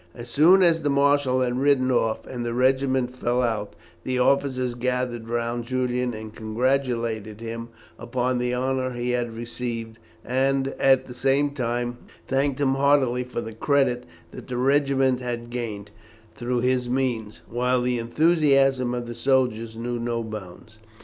As soon as the marshal had ridden off, and the regiment fell out, the officers gathered round Julian and congratulated him upon the honour he had received, and, at the same time, thanked him heartily for the credit that the regiment had gained, through his means, while the enthusiasm of the soldiers knew no bounds.